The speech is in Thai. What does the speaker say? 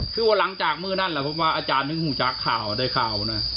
คือว่าหลังจากมือนั่นแหละผมว่าอาจารย์หนึ่งหูจากข่าวได้ข่าวนะ